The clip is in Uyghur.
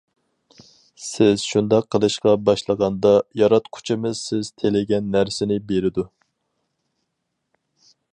سىز شۇنداق قىلىشقا باشلىغاندا، ياراتقۇچىمىز سىز تىلىگەن نەرسىنى بېرىدۇ.